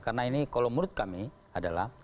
karena ini kalau menurut kami adalah